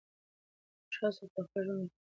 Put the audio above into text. موږ هڅه کوو خپل ژوند بهتر کړو.